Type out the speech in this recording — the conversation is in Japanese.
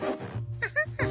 ウフフフ。